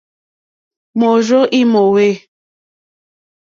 Wôrzô í mòwê.